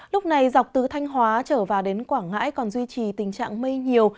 lúc này dọc từ thanh hóa trở vào đến quảng ngãi còn duy trì tình trạng mây nhiều